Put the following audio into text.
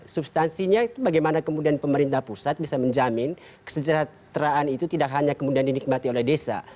substansinya itu bagaimana kemudian pemerintah pusat bisa menjamin kesejahteraan itu tidak hanya kemudian dinikmati oleh desa